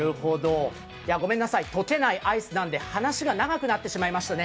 ごめんなさい、溶けないアイスなんで、話が長くなってしまいましたね。